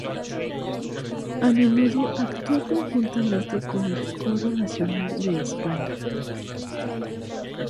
A menudo actúa conjuntamente con el Coro Nacional de España.